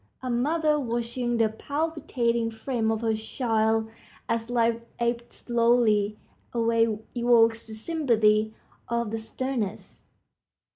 A mother watching the palpitating frame of her child as life ebbs slowly away evokes the sympathy of the sternest.